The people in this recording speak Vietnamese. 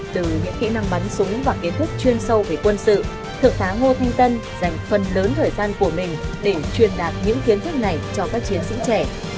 từ những kỹ năng bắn súng và kiến thức chuyên sâu về quân sự thượng tá ngô thanh tân dành phần lớn thời gian của mình để truyền đạt những kiến thức này cho các chiến sĩ trẻ